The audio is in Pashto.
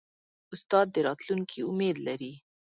استاد د راتلونکي امید لري.